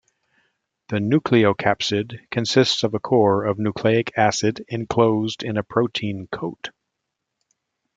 The nucleocapsid consists of a core of nucleic acid enclosed in a protein coat.